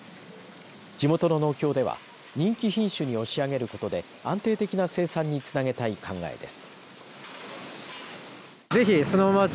地元の農協では人気品種に押し上げることで安定的な生産につなげたい考えです。